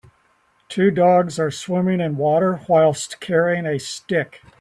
Two dogs are swimming in water whist carrying a stick